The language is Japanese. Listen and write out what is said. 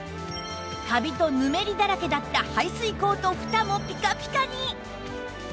カビとぬめりだらけだった排水口とフタもピカピカに！